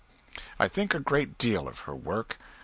I think a great deal of her work.